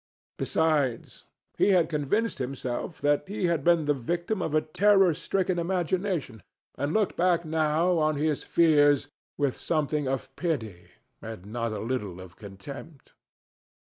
Besides, he had convinced himself that he had been the victim of a terror stricken imagination, and looked back now on his fears with something of pity and not a little of contempt.